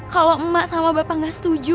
kalau emak sama bapak nggak setuju